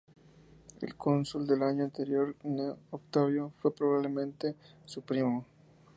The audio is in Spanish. El cónsul del año anterior, Cneo Octavio, fue probablemente su primo.